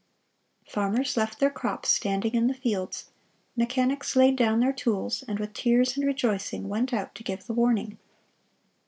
Farmers left their crops standing in the fields, mechanics laid down their tools, and with tears and rejoicing went out to give the warning.